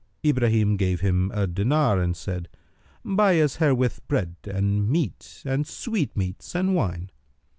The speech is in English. Ibrahim gave him a dinar, and said, "Buy us herewith bread and meat and sweetmeats and wine."